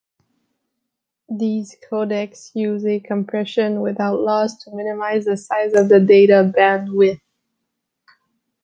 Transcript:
These codecs use a compression without loss to minimize the size of the data bandwidth.